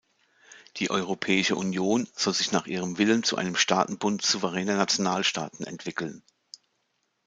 Die Europäische Union soll sich nach ihrem Willen zu einem Staatenbund souveräner Nationalstaaten entwickeln.